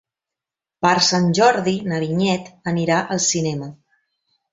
Per Sant Jordi na Vinyet anirà al cinema.